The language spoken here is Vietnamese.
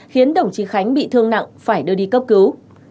khiến đồng chí khánh bị thương nặng phải đưa đi cấp cứu